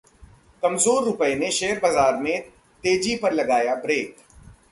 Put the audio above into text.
कमजोर रुपये ने शेयर बाजार में तेजी पर लगाया ब्रेक